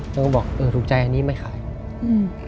เราก็บอกเออถูกใจอันนี้ไม่ขายอืม